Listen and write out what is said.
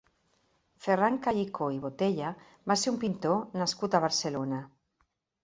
Ferran Callicó i Botella va ser un pintor nascut a Barcelona.